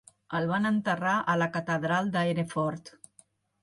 El van enterrar a la Catedral de Hereford.